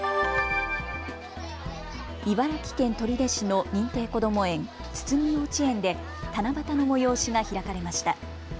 茨城県取手市の認定こども園つつみ幼稚園で七夕の催しが開かれました。